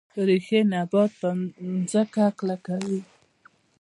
ریښې نبات په ځمکه کلکوي